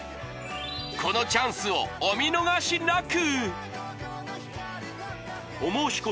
このチャンスをお見逃しなく！